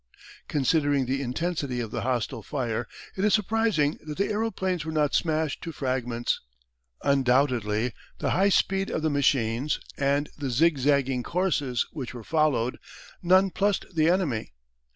Considering the intensity of the hostile fire, it is surprising that the aeroplanes were not smashed to fragments. Undoubtedly the high speed of the machines and the zigzagging courses which were followed nonplussed the enemy.